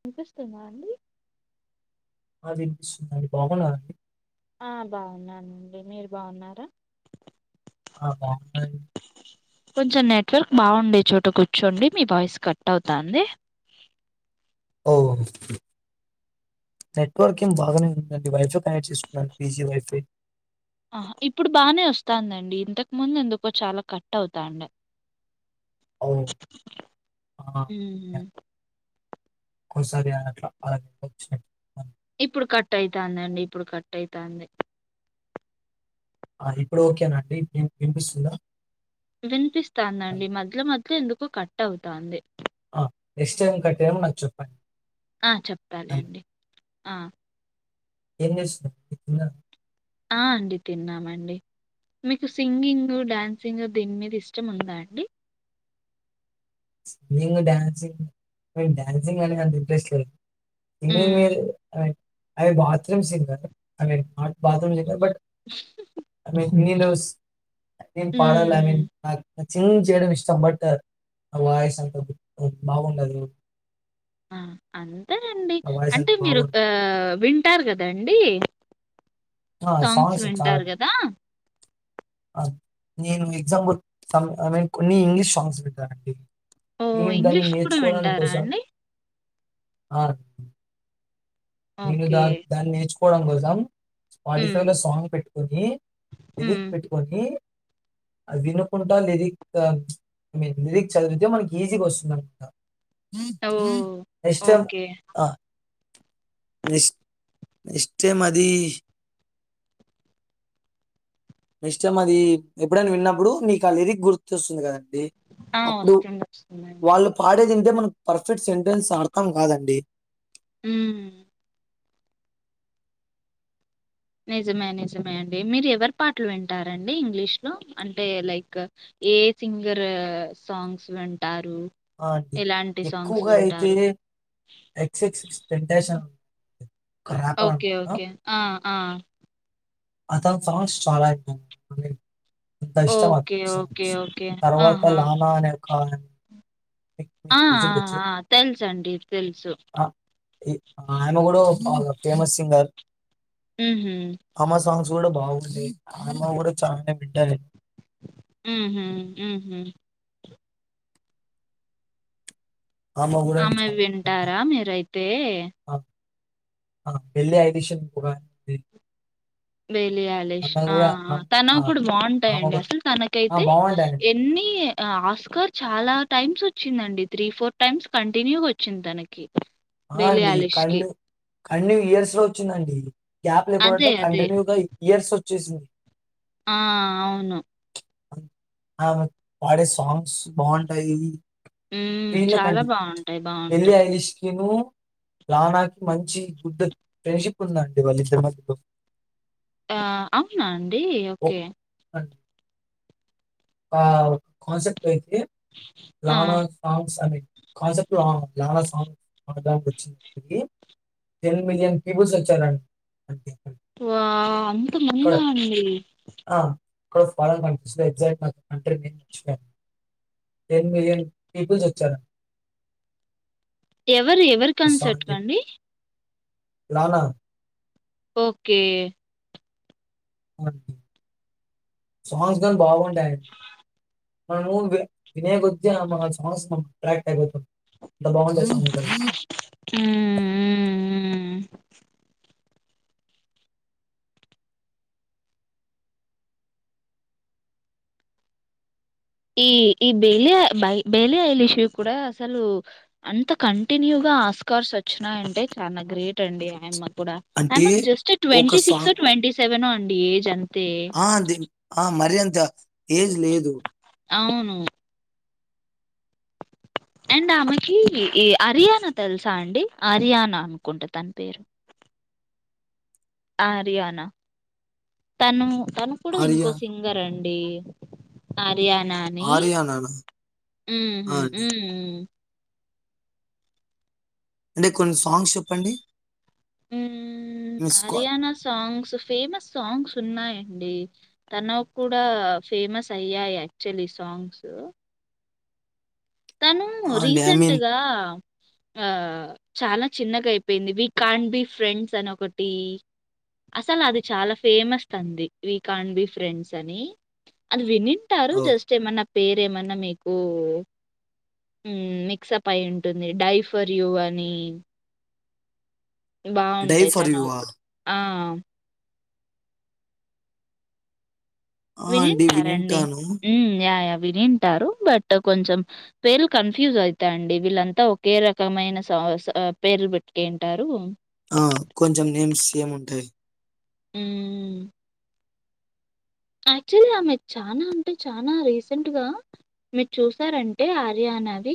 ఇనిపీస్తుంద అండి ఆ వినిపిస్తుందండి బాగున్నార అండ్ ఆ బాగున్నానండి మీరు బాగున్నారా ఆ బాగున్నా అండి కొంచెం నెట్వర్క్ బాగుండే చోటు కూర్చోండి మీ వాయిస్ కట్ అవుతాంది ఓ నెట్వర్క్ ఏం బాగానే ఉందండి వైఫై కనెక్ట్ చేసుకున్నాను పీజీ వైఫై ఆ ఇప్పుడు బానే వస్తాందండి ఇంతకు ముందు ఎందుకో చాలా కట్ అవుతాండే ఓహ్! మ్ హు ఒకొసారి అని అట్లా అలా [unintelligible] ఇప్పుడు కట్ అయితందండి ఇప్పుడు కట్ అయితంది ఆ ఇప్పుడు ఓకేనా అండి ఇ వినిపిస్తుందా హలో! వినిపిస్తాదండి మధ్యలో మధ్యలో ఎందు కట్ అవుతంది ఆ ఎెక్స్ట్ టైం కట్ అయిన నాకు చెప్పండి ఆ హలో! చెప్పాలేండి ఆ ఏం చెస్ తిన్నర ఆ అండి తిన్నామండి మీకు సింగింగ్ డాన్సింగ్ దీని మీద ఇష్టం ఉందా అండి సింగింగ్ డన్సింగ్ డన్సింగ్ అనే అంత ఇంట్రెస్ట్ లేదు తినేది మ్మ్ వేరు అయ్ ఐ బాత్రూమ్ సింగ్ డి I mean bathroom singer but I mean నిను నును పాడాల ఐ మ్మ్ మీన్ నాక్ న చింగ్ చేయడం ఇష్టం బట్ నా వాయిస్ అంత బ్ బాగుండదు ఆ అంన్ తెనండి నా వాయిస్ అంత అంటే మీరు బాగోదు. ఆ విన్ అంటారు కదండి ఆ! సాంగ్స్ చాలా వింటారు కదా ఆ నేను ఎగ్జాంపుల్ ఐ మీన్ కొన్ని ఇంగ్లీష్ సాంగ్స్ వింట్టానండి ఓ ఇంగ్లీష్ కూడా వింటారా అండి ఆ నిను ఓకే. ద దన్నేర్చ్ కోడం కోసం హ్మ్. [unintelligible] లో సాంగ్ పె ఓకే తెలిక్ హ్మ్. పెట్టుకుంటే అది వినుకుంటా లిరిక్ ఐ మీన్ లిరిక్ చదివితే మనకి ఈజీగా వస్తుందినమాట ఓహ్! ఇష్టం ఓకే. ఆ నె నెక్స్ట్ టైమ్ అది నెక్ట్ టైమ్ అది ఎప్పుడైనా విన్నప్పుడు నీకు ఆ లిరిక్ గుర్తొస్తుంది కదా ఆ! అప్పుడు వస్తుంది. వస్తుందండి. వాళ్ళు పాడేది ఇంటే మనం పర్ఫెక్ట్ సెంటెన్స్ అర్థం కాదండి హ్మ్. నిజమే నిజమే అండి మీరు ఎవరి పాటలు వింటారండి ఇంగ్లీష్ లో అంటే లైక్ ఏ సింగర్ సాంగ్స్ వింటార్ ఆ అండి ఎక్కువగా అయితే వింటారు? ఎక్స్ ఎక్స్ [unintelligible] ఒకే ఒకే ఆ ఆ అతను సాంగ్స్ చాల విన ఎంత ఇష్టం ఓకే. అతని ఓకే. Songs okay. తర్వాత ఆహా! లాన అనే ఒక ఆమె మీకు ఆ మీకు తెలిసుండొచ్చు. ఆ తెల్ చండి ఆ ఇ ఆయన ఒగడు ఫాలో ఫేమస్ సింగర్ ఉహు ఇది కూడా బాగుంది అ అమ్మాయి కూడా చాన వినంటాది మ్మ్ హ్మ్ ఆమె కూడా నేను ఆమెవి చాలా వింటార వింటాను. మీరైతే ఆ! ఆ ఎల్లొ [unintelligible] లే లే ఆలేష్ ఆ ఆ తనవి కూడ ఆమె బాగుంటాయండి కూడా అసలు ఆ! తనకైతే బాగుంటాయి. ఎన్ని ఆస్కార్ చాల టైమ్స్ వచ్చిందండి త్రీ ఫోర్ టైమ్స్ కంటిన్యూ వచ్చింది తనకి ఆ బేలి అండి ఆలిష్ కి కన్ను కన్ను ఇయర్స్ లో వచ్చిందండి గ్యాప్ అదే లేకుంనట్ల అదే కంటిన్యూగ ఇయర్స్ ఓ చేసింది ఆ అవును ఆమె పాడే సాంగ్స్ బావుంటాయి ఉ చాల బావుంటాయి బావుంటాయి తిను లవనాకి మంచ్ చి గుడ్ ఫ్రెడ్షిప్ ఉంది అండి వాళ్ళ ఇద్దరి మధ్యలో ఆ అవునా అం ది ఒక్ ఒకే వావ్ [unintelligible] తే ఆ లావా ఫామ్స్ అనే concept song [unintelligible] ten million peoples వచ్చారు అండి వా ఇక్కడ అంతమంది అండి ఆ ఇక్కడ ఫారిన్ కంట్రీస్ లో ఎగ్జాక్ట్ అంటే నచ్చ టెన్ మిలియన్ పీపుల్స్ వచ్చారు ఎవరు ఎవరి కన్సర్ట్ అండి లాలా ఓకే సాంగ్స్ కానీ బాగుంటాయండి మనము వినేయ కొద్దీ మా సాంగ్స్ మన అట్రాక్ట్ అయిపోతాం అంత బాగుంటది ఉ ఈ ఈ బేలి బ బేలియలి ఇషూ కూడా అసలు అంత కంటిన్యూగా ఆస్కార్స్ వచ్చినయంటే చాలా గ్రేట్ అండి ఐ అంటే మాకు జస్ట్ ఒక twenty six song twenty seven అండి ఏజ్ అంతే ద ఏజ్ లేదు అవును అండ్ ఆమెకి ఈ హర్యానా తెలుసా అండి హర్యానా అనుకుంటా తన పేరు ఆ ఆర్యనా తను తను కూడా ఆర్య ఇంకో సింగర్ అండి అండి ఆర్యనాన్ని ఆర్యనానా? ఆ! హు అండి. ఉహ్ అంటే కొన్ని సాంగ్స్ చెప్పండి ఉ మిస్ కా హర్యానా సాంగ్స్ ఫేమస్ సాంగ్స్ ఉన్నాయి అండి తన కూడా ఫేమస్ అయ్యాయి యాక్చువల్లీ సాంగ్స్ తను ఆ! అండి. ఐ మీన్ రీసెంట్గా ఆ చాలా చిన్నగా అయిపోయింది వి కాన్ బి ఫ్రెండ్స్ అని ఒకటి అసలు అది చాలా ఫేమస్ అంది వి కాన్ బి ఫ్రెండ్స్ అని అది విని ఉంటారు ఓహ్! జస్ట్ ఏమన్నా పేరు ఏమన్నా మీ ఓ మిక్సప్ అయి ఉంటుంది డైఫర్ యూ అని 'డై బాగుంటాయి ఫర్ యూ' ఆ? తనుప్పుడు ఆ ఆ! అండి వినింటారండి వినుంటాను. హు యాయా వింటారు బట్ కొంచెం పేర్లు కన్ఫ్యూజ్ అవుతాయిండి వీళ్ళంతా ఒకే రకమైన సాస ఆ పేర్లు పెట్టుకు ఉంటారు ఆ కొంచెం నేమ్స్ ఏముంటాయి హ్మ్. యాక్చువల్లీ ఆమె చానా అంటే చానా రీసెంట్గా, మీరు చూసారంటే ఆర్యానాది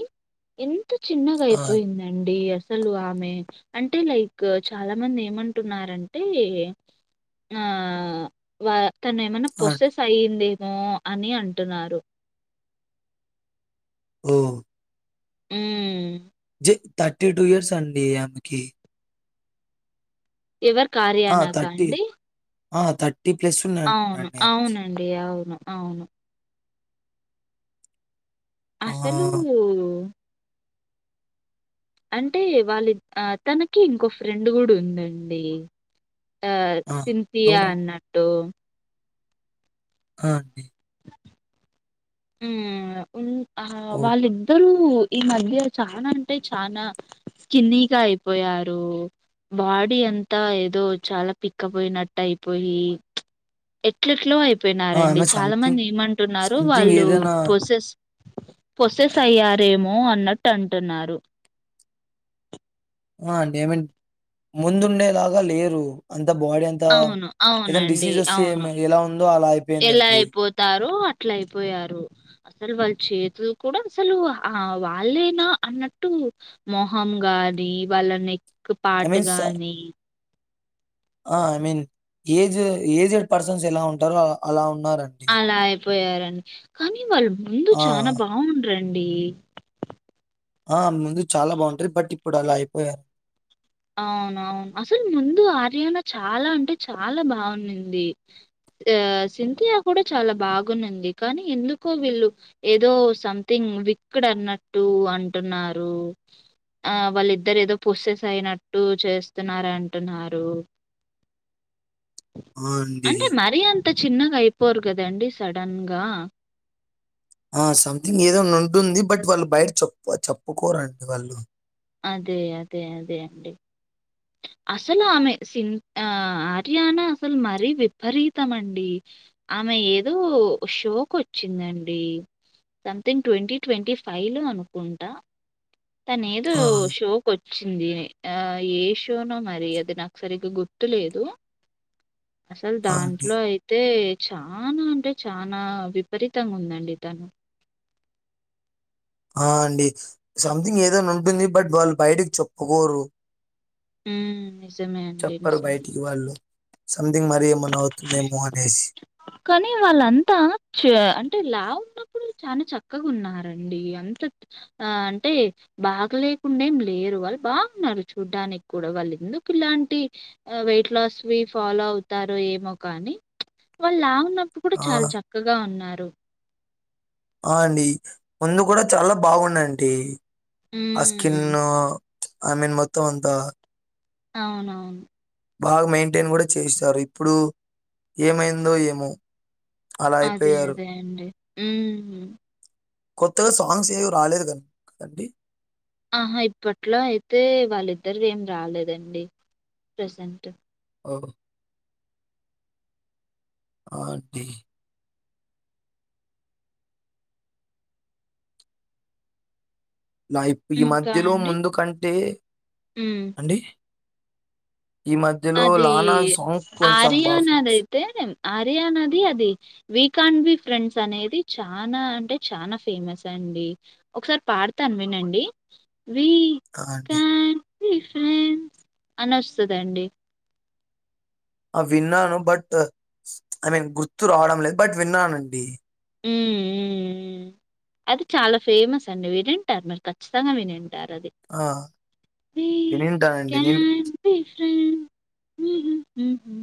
ఇన్ చిన్నగా ఆ! అయిపోయిందండి అస్ అసలు ఆమె అంటే లైక్ చాలా మంది ఏమంటున్నారుంటే, ఆ వా తను ఏమన్ ఆ! పొసెస్ అయింది. మో అని అంటున్నారు. ఓ ఉమ్ జె థర్టీ టూ ఇయర్స్ అండి ఆమెకి. ఎవర్ ఆ! కార్యయానాకా అండి. ఆ థట్ అవును అవునండి అవును. అవును అసలు ఆహ్, అంటే వాళ్ళ తనకి ఇంకో ఫ్రెండ్ కూడ ఉందండి. ఆ సింతియా ఎవరండి? అన్నట్టు ఆ అండి ఉమ్ ఉ ఆ ఓహ్! వాళ్ళిద్దరు ఈ మధ్య చానా అంటే చానా స్కిన్నిగా అయిపోయారు, బాడీ ఎంతా ఏదో చాలా పిక్కపోయినట్టు అయిపోయి, ప్చ్ ఎట్ల ఎట్లో అయిపో ఆ! పోయినారండి ఆమె చాలా సంథింగ్, మంది ఏమంటున్నారు సంథింగ్ వాళ్ళు డు ఏదైనా పొసెస్ పొసెస్ అయ్యారేమో మో అన్నట్టు అంటున్నారు. ఆ అంటడి ఏమన్ ముందుండే లాగా లేరు. అంత బాడీ అంత అవును. ఏదన్న అవునండి. డిసీజ్ వస్తే అవును. ఏమో ఎలా ఉందో అలా అయిపోయిందండి. అట్ల అయిపోయారు అసలు వాళ్ళ చేతులు కూడా అసలు ఆ వాళ్ళేనా అన్నట్టు, మొహం గాని వాళ్ళని ఒక ఐ మీన్ స పాటగాని ఆ I mean age aged persons ఎలా ఉంటారో అలా ఉన్ న్నా రండి పోయారని కానీ వాళ్ళు ముందు చానా బావుండ్ర అండి ఆ ముందు చాలా బాగుంటది, బట్ ఇప్పుడు అలా అయిపోయారు. అవునవును అసలు ముందు ఆర్యన చాలా అంటే చాలా బాగున్నింది, ఆ సింతియా కూడా చాలా బాగున్నింది కానీ, ఎందుకో వీళ్ళు ఏదో సంథింగ్ విక్డ్ అన్నట్టు అంటున్నారు, ఆ వాళ్ళిద్దరు ఏదో పొస్సెస్ అయినట్ టు చేస్తున్నరంటున్నారు. ఆ! అండి. అంటే మరిీ అంత చిన్నగా అయిపోరు కదండి సడన్గా ఆ సంథింగ్ ఏదోనా ఉంటుంది బట్ వాళ్ళు బయట చెప్పు చెప్పుకోరండి వాళ్ళు అదే అదే అదే అండి అసలు ఆమె సిన్ ఆర్యానా అసలు మరీ విపరీతం అండి ఆమె ఏదో షోక్ వచ్చిందండి సంథింగ్ ట్వంటీ ట్వంటీ ఫైవ్ లో అనుకుంటా తనే ఏదో ఆ! షోకి వచ్ చ్చింది ఆ ఏ షోనో మరి అది నాకు సరిగా గుర్తు లేదు అసలు ఆ! అండి. దాంట్లో అయితే చానా అంటే చా నా విపరీతంగా ఉందండి తను ఆ అండి సంథింగ్ ఏదైనా ఉంటుంది బట్ వాళ్ళు బయటకి చెప్పుకోరు ఉమ్ నిజమే అండి నిజమే సథింగ్ మరే మ్ వుతుఉందేమో అనేసి కానీ వాళ్ళంతా చ అంటే లా ఉన్నప్పుడు చాలా చక్కగా ఉన్నారండి అంత ఆ అంటే బాగలేకుండడా ఏం లేరు వాళ్ళు బాగున్నారు చూడ్డానికి కూడా వాళ్ళు ఎందుకు ఇలాంటి వెయిట్ లాస్వి ఫాలో అవుతారో ఏమో కానీ వల్లావున్న ఇప్పు డు ఆ! చాలా చక్కగా ఉన్నారు ఆ అండి ముందు కూడా చాలా బాగున్నాయ్ డి అస్కిన్ హ్మ్. ఐ మీన్ మొత్తం అంత అవునవును బాగా మెయింటెన్ కూడా చేస్తారు ఇప్పుడు ఏమైందో ఏమో అలా అదే అయిపోయారు. అదే అండి ఉ కొత్తగా సాంగ్స్ ఏవి రాలేదు కదండి ఆహా ఇప్పట్లో అయితే వాళ్ళిద్దరు ఏం రాలేదండి ప్రసెంట్ ఓ ఆ అండి లా ఈ ఇంకా మధ్యలో అండి? ముందు కంటే హ్మ్. అండి ఈ మధ్యలో అది లానా సాంగ్ కొంచెం బాగా సు సు ఆర్యనాద్ది అది వికాండ్ బి ఫ్రెండ్స్ అనేది చానా అంటే చానా ఫేమస్ అండి ఒకసారి పాడతాను వినండి అ అండి రిఫ్రెంస్ అని వస్తదండి ఆ విన్నాను బట్ ఐ మీన్ గుర్తు రావడం లేదు బట్ విన్నానండి ఉమ్ ఉమ్ అది చాలా ఫేమస్ అండి వినింటారు మీరు ఖచ్చితంగా విని టారండి ఆ! వీ వినుంటానండి. నేను కాన్ డు ఫ్రెండ్స్ ఉమ్ హు హు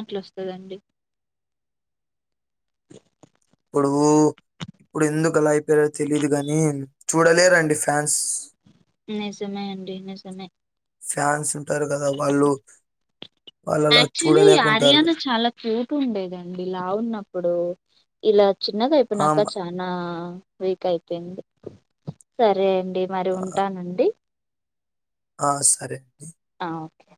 అట్లాొస్తదండి ఇప్పుడు ఇప్పుడు ఎందుకు అలా అయిపోయారో తెలిదు గాని చూడలేరండి ఫ్యాన్స్ నిజమే అండి నిజమే ఫాన్స్ వాళ్ళలా యాక్చువల్లీ చూడలేకుంటారు. ఆర్యానా చాలా క్యూట్ ఉండేదండి లావు ఉన్నప్పుడు ఇలా చిన్నగా ఆ! హ్మ్. అయిపోయినాక చనా వీక్ అయిపోయింది సరే అండి డి మరి ఆ! ఉంటానండి ఆ సరే అండి ఆహా ఓకే